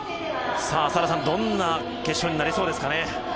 どんな決勝になりそうですかね？